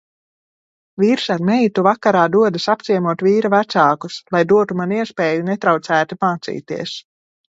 Vīrs ar meitu vakarā dodas apciemot vīra vecākus, lai dotu man iespēju netraucēti mācīties.